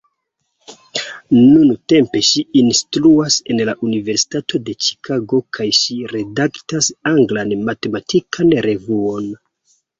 Nuntempe ŝi instruas en la Universitato de Ĉikago kaj ŝi redaktas anglan matematikan revuon.